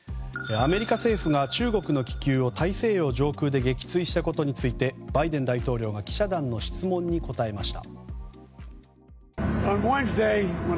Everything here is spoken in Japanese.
アメリカ政府が中国の気球を大西洋上空で撃墜したことについてバイデン大統領は記者団の質問に答えました。